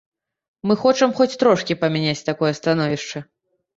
Мы хочам хоць трошкі памяняць такое становішча.